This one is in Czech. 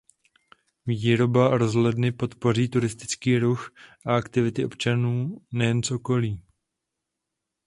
Výstavba rozhledny podpoří turistický ruch a aktivity občanů nejen z okolí.